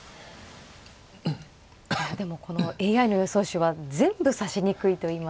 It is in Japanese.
でもこのＡＩの予想手は全部指しにくいといいますか。